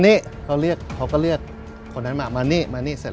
ในจริงซะสร้างสาร